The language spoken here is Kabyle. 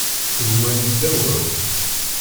Gma-nni ddaw-aw.